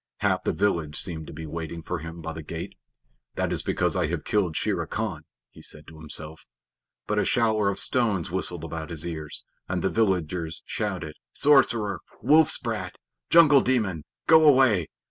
Half the village seemed to be waiting for him by the gate. "That is because I have killed Shere Khan," he said to himself. But a shower of stones whistled about his ears, and the villagers shouted: "Sorcerer! Wolf's brat! Jungle demon! Go away!